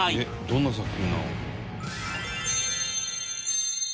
「どんな作品なの？」